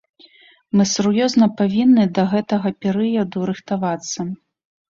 Мы сур'ёзна павінны да гэтага перыяду рыхтавацца.